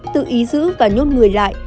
tự ý giữ và nhốt người lại